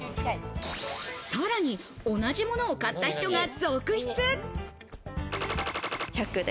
さらに同じものを買った人が続出。